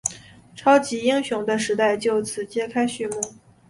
超级英雄的时代就此揭开序幕。